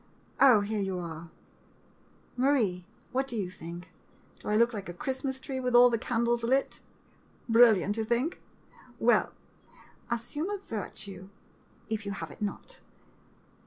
Oh, here you are — Marie, what do you think? Do I look like a Christmas tree with all the candles lit? Brilliant, you think? Well — assume a virtue, if you have it not!